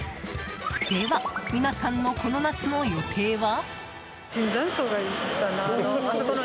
では、皆さんのこの夏の予定は？